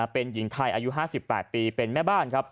เป็นหญิงไทยอายุ๕๘ปีเป็นแม่บ้านครับ